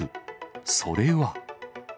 それは。